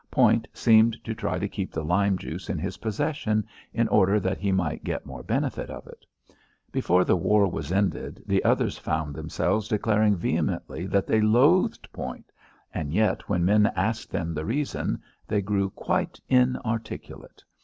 Point seemed to try to keep the lime juice in his possession, in order that he might get more benefit of it. Before the war was ended the others found themselves declaring vehemently that they loathed Point, and yet when men asked them the reason they grew quite inarticulate.